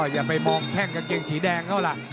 อย่าไปมองแข้งกางเกงสีแดงเขาล่ะ